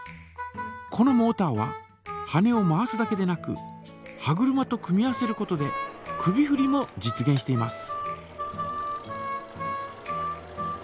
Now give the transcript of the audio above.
このモータは羽根を回すだけでなく歯車と組み合わせることで首ふりも実げんしています。